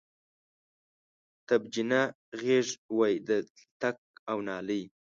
تبجنه غیږ وی د تلتک او نالۍ